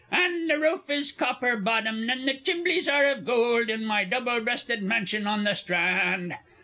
_) "An' the roof is copper bottomed, but the chimlies are of gold. In my double breasted mansion in the Strand!"